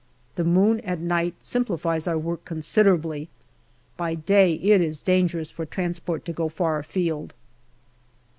The moon at night simplifies our work considerably. By day it is dangerous for transport to go far afield.